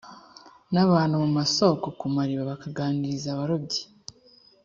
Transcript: n abantu mu masoko ku mariba bakaganiriza abarobyi